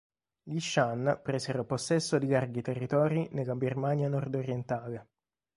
Gli shan presero possesso di larghi territori nella Birmania nord-orientale.